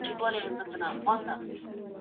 موږ د روښانه راتلونکي په تمه یو.